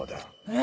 え